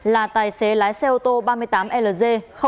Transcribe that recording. là tài xế lái xe ô tô ba mươi tám lg ba trăm năm mươi bốn